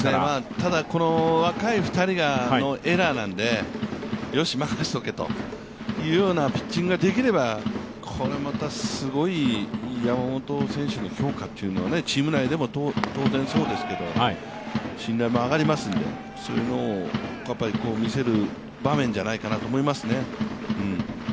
ただ、この若い２人がエラーなんでよし、任せとけというようなピッチングができればこれまたすごい、山本選手の評価というのはチーム内でも当然そうですけど信頼も上がりますので、そういうのを見せる場面じゃないかなと思いますね。